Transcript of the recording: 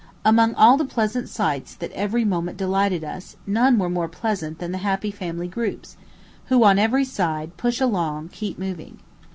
Among all the pleasant sights that every moment delighted us none were more pleasant than the happy family groups, who, on every side, "push along, keep moving."